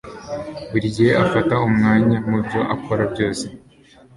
Buri gihe afata umwanya mubyo akora byose